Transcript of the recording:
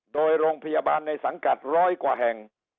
โดยโรงพยาบาลในสังกัดร้อยกว่าแห่ง